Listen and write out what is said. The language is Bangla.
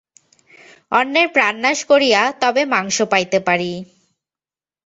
অন্যের প্রাণনাশ করিয়া তবে মাংস পাইতে পারি।